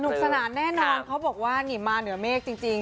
สนานแน่นอนเขาบอกว่านี่มาเหนือเมฆจริง